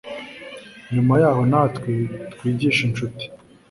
nyuma yaho natwe twigishe inshuti